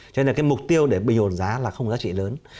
cho nên cái mục tiêu để bình ổn giá là không có giá trị lớn